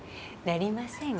なりません。